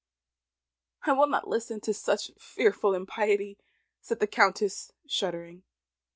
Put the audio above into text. "I will not listen to such fearful impiety," said the Countess, shuddering.